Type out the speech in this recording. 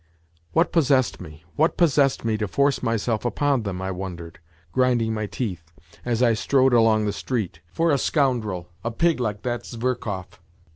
" What possessed me, what possessed me to force myself upon them ?" I wondered, grinding my teeth as I strode along the street, " for a scoundrel, a pig like that Zverkov